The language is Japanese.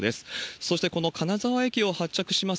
そしてこの金沢駅を発着します